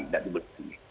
tidak timbul lagi